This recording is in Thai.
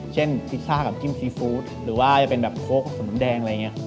เช่นพิซซ่ากับกิมซี่ฟูดหรือว่าจะเป็นโค้กสำนวนแดงอะไรอย่างนี้